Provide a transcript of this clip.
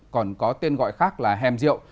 còn có tên gọi khác là hèm rượu